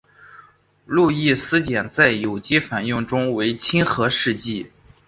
路易斯碱在有机反应中为亲核试剂。